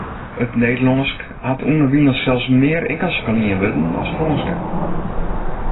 It Nederlânsk hat ûnderwilens sels mear Ingelske lienwurden as Frânske.